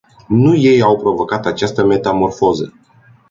Nu ei au provocat această metamorfoză.